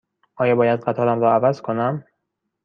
آیا باید قطارم را عوض کنم؟